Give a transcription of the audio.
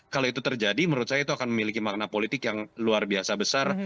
kalau itu terjadi menurut saya itu akan memiliki makna politik yang luar biasa besar